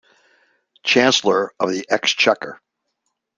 Chancellor of the Exchequer